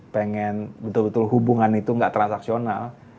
pengen betul betul hubungan itu nggak transaksional